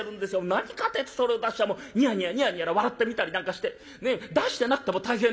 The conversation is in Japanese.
何かてえとそれを出しゃもうニヤニヤニヤニヤ笑ってみたりなんかして出してなくても大変なんですよ。